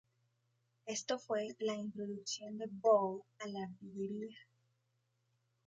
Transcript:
Esto fue la introducción de Bull a la artillería.